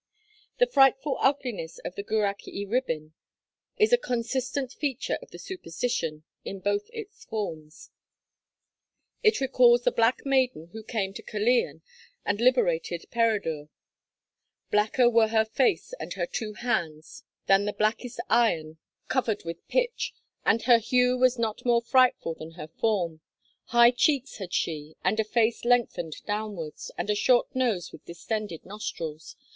The frightful ugliness of the Gwrach y Rhibyn is a consistent feature of the superstition, in both its forms; it recalls the Black Maiden who came to Caerleon and liberated Peredur: 'Blacker were her face and her two hands than the blackest iron covered with pitch; and her hue was not more frightful than her form. High cheeks had she, and a face lengthened downwards, and a short nose with distended nostrils.